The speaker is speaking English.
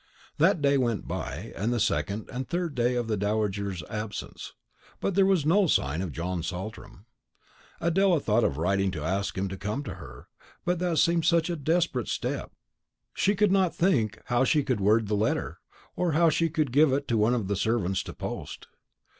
That day went by, and the second and third day of the dowager's absence; but there was no sign of John Saltram. Adela thought of writing to ask him to come to her; but that seemed such a desperate step, she could not think how she should word the letter, or how she could give it to one of the servants to post.